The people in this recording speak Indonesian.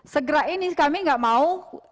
segera ini kami nggak mau